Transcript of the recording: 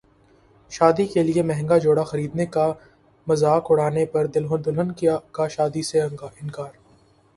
شادی کیلئے مہنگا جوڑا خریدنے کا مذاق اڑانے پر دلہن کا شادی سے انکار